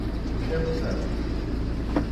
Kent Ferguson